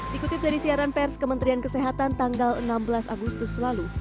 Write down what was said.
dikutip dari siaran pers kementerian kesehatan tanggal enam belas agustus lalu